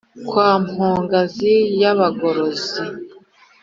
kwa mpogazi ya bagorozi,